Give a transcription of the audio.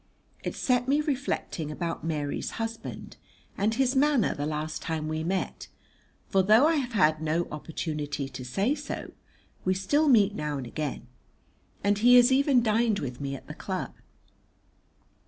It set me reflecting about Mary's husband and his manner the last time we met, for though I have had no opportunity to say so, we still meet now and again, and he has even dined with me at the club.